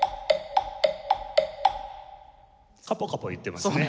カポカポいってますね。